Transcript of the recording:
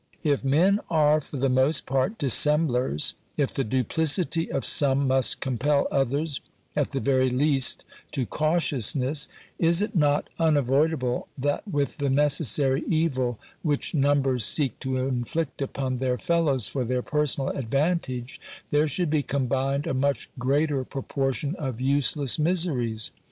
If men are for the most part dissemblers, if the duplicity of some must compel others, at the very least, to cautiousness, OBERMANN 6i is it not unavoidable that with the necessary evil which numbers seek to inflict upon their fellows for their personal advantage, there should be combined a much greater pro portion of useless miseries